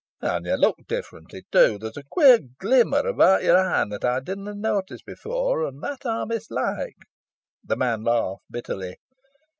"An yo look differently too. There's a queer glimmer abowt your een that ey didna notice efore, and that ey mislike." The man laughed bitterly.